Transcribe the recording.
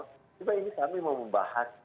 cuma ini kami mau membahas